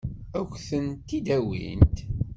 Ad k-tent-id-awint?